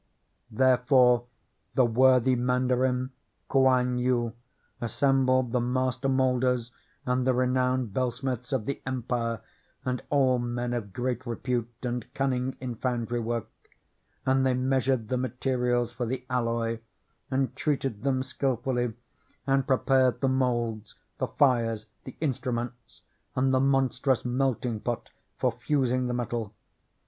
Therefore the worthy mandarin Kouan Yu assembled the master moulders and the renowned bellsmiths of the empire, and all men of great repute and cunning in foundry work; and they measured the materials for the alloy, and treated them skillfully, and prepared the moulds, the fires, the instruments, and the monstrous melting pot for fusing the metal.